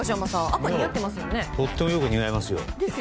とってもよく似合いますよ。